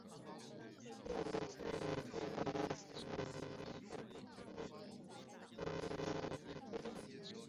科列诺农村居民点是俄罗斯联邦沃罗涅日州新霍皮奥尔斯克区所属的一个农村居民点。